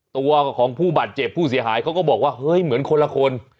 ตัวของผู้บาดเจ็บผู้เสียหายเขาก็บอกว่าเฮ้ยเหมือนคนละคน